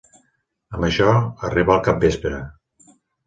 Amb això, arribà el capvespre.